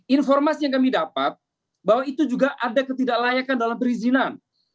informasi yang kami dapat bahwa itu juga ada ketidaklayakan dalam perizinan